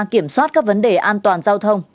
kiểm soát các vấn đề an toàn giao thông